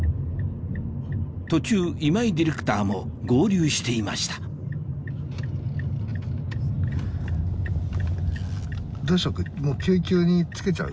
途中今井ディレクターも合流していましたつけちゃう。